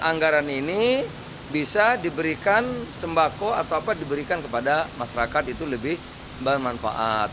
anggaran ini bisa diberikan sembako atau apa diberikan kepada masyarakat itu lebih bermanfaat